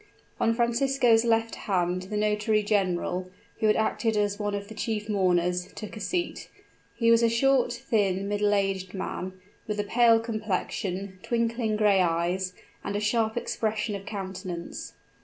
On Francisco's left hand the notary general, who had acted as one of the chief mourners, took a seat. He was a short, thin, middle aged man, with a pale complexion, twinkling gray eyes, and a sharp expression of countenance.